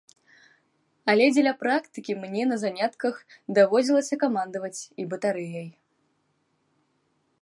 Але дзеля практыкі мне на занятках даводзілася камандаваць і батарэяй.